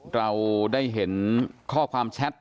เราได้เห็นข้อความแชท